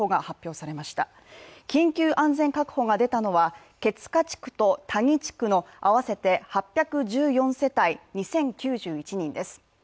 緊急安全確保が出たのは毛塚地区と合わせて８１４世帯２０９１人です。